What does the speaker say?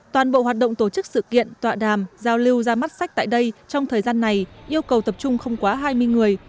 toàn bộ hoạt động tổ chức sự kiện tọa đàm giao lưu ra mắt sách tại đây trong thời gian này yêu cầu tập trung không quá hai mươi người